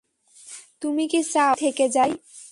তুমি কি চাও আমি থেকে যাই?